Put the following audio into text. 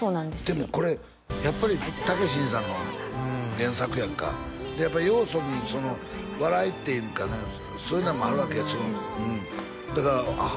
でもこれやっぱりたけしさんの原作やんかやっぱり要素に笑いっていうんかなそういうなんもあるわけよだからあっ